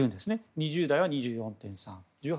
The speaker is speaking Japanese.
２０代は２４．３１８